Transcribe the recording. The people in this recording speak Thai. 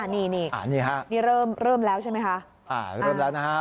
นี่ค่ะเริ่มแล้วใช่ไหมคะอ่าเริ่มแล้วนะคะ